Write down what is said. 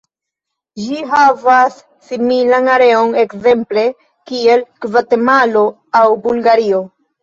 Ĝi havas similan areon ekzemple kiel Gvatemalo aŭ Bulgario.